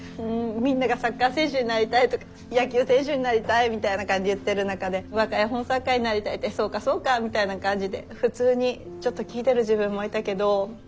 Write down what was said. ・みんなが「サッカー選手になりたい」とか「野球選手になりたい」みたいな感じで言ってる中で「わか絵本作家になりたい」って「そうかそうか」みたいな感じで普通にちょっと聞いてる自分もいたけど。